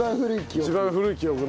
一番古い記憶ね。